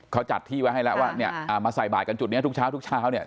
เขาจัดที่ไว้ให้แล้วว่ามาใส่บาทกันจุดนี้ทุกเช้า